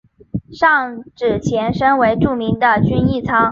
上址前身为著名的均益仓。